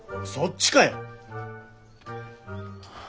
そっちかよ。